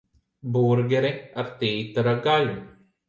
Burgeri ar tītara gaļu.